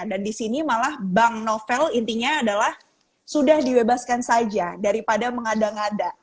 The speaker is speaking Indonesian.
dan di sini malah bang novel intinya adalah sudah dibebaskan saja daripada mengada ngada